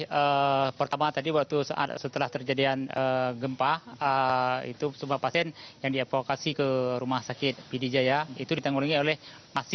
jadi pertama tadi setelah terjadian gempa itu sebuah pasien yang diaplokasi ke rumah sakit pdi jaya